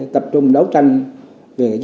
tập trung đấu tranh với người y tá